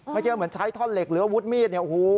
ไม่เชื่อว่าเหมือนใช้ท่อนเหล็กเหลือวุดมีด